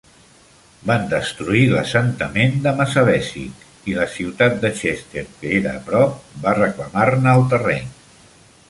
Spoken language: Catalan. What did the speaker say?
Van destruir l'assentament de Massabesic i la ciutat de Chester, que era prop, va reclamar-ne el terreny.